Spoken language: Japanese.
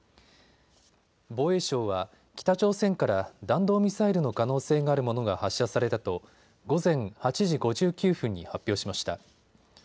防衛省は北朝鮮から弾道ミサイルの可能性があるものが発射されたと午前８時５９分に発表しました。